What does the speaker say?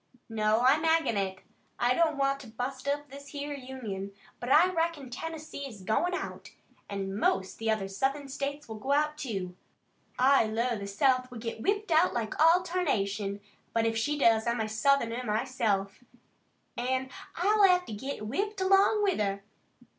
"No, I'm ag'in it. I don't want to bust up this here Union. But I reckon Tennessee is goin' out, an' most all the other Southern states will go out, too. I 'low the South will get whipped like all tarnation, but if she does I'm a Southerner myself, an' I'll have to git whipped along with her.